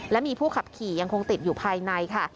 และมีผู้ขับขี่ยังคงติดอยู่ภายในค่ะ